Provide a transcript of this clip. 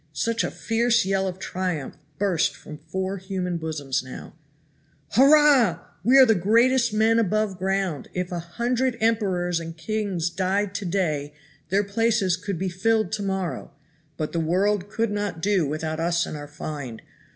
Such a fierce yell of triumph burst from four human bosoms now. "Hurrah! we are the greatest men above ground. If a hundred emperors and kings died to day, their places could be filled to morrow; but the world could not do without us and our find.